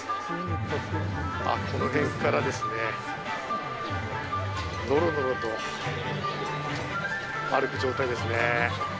この辺からですね、のろのろと歩く状態ですね。